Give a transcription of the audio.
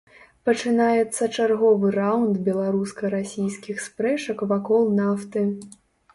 Пачынаецца чарговы раўнд беларуска-расійскіх спрэчак вакол нафты.